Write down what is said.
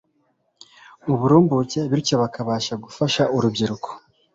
uburumbuke bityo bakabasha gufasha urubyiruko